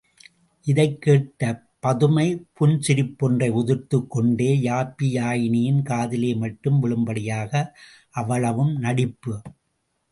இதைக்கேட்ட பதுமை புன் சிரிப்பொன்றை உதிர்த்துக் கொண்டே யாப்பியாயினியின் காதிலே மட்டும் விழும்படியாக அவ்வளவும் நடிப்பு.